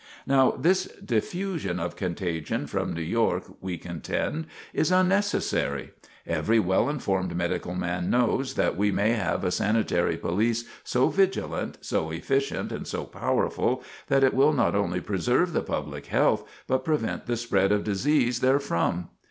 Now, this diffusion of contagion from New York, we contend, is unnecessary. Every well informed medical man knows that we may have a sanitary police so vigilant, so efficient and so powerful, that it will not only preserve the public health, but prevent the spread of disease therefrom.